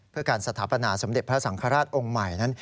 เพื่อการสถาปนาสมเด็จพระสังฆราชองค์ใหม่นั้น